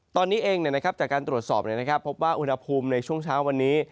ตอนนี้เองจากการตรวจสอบพบว่าอุณหภูมิในช่วงเช้าวันนี้